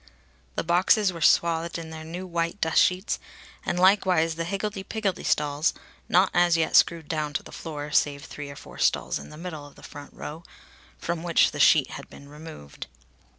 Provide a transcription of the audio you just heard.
The boxes were swathed in their new white dust sheets; and likewise the higgledy piggledy stalls, not as yet screwed down to the floor, save three or four stalls in the middle of the front row, from which the sheet had been removed.